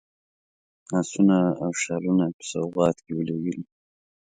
آسونه او شالونه په سوغات کې ولېږلي.